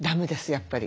やっぱり。